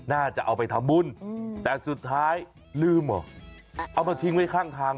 น่าจะเอาไปทำบุญแต่สุดท้ายลืมเหรอเอามาทิ้งไว้ข้างทาง